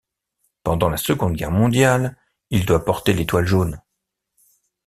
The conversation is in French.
Pendant la Seconde Guerre mondiale, il doit porter l'étoile jaune.